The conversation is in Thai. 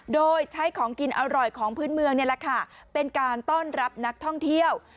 โดยใช้ของกินอร่อยของพื้นเมืองนี่แหละค่ะเป็นการต้อนรับนักท่องเที่ยว